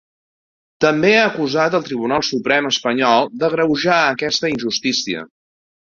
També ha acusat el Tribunal Suprem espanyol ‘d’agreujar aquesta injustícia’.